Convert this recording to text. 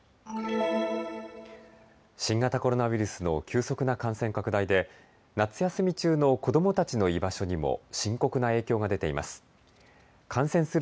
新型コロナウイルスの急速な感染拡大で夏休み中の子どもたちの居場所にも深刻な影響が出ています。